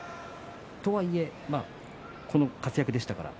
とはいえこの活躍でしたから。